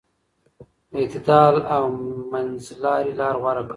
د اعتدال او منځlarۍ لار غوره کړئ.